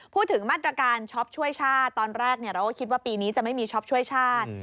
พูดถึงมาตรการช็อปช่วยชาติตอนแรกเราก็คิดว่าปีนี้จะไม่มีช็อปช่วยชาติ